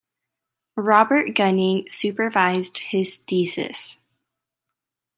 Robert Gunning supervised his thesis.